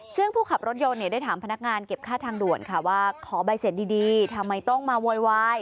ซึ่งผู้ขับรถยนต์เนี่ยได้ถามพนักงานเก็บค่าทางด่วนค่ะว่าขอใบเสร็จดีทำไมต้องมาโวยวาย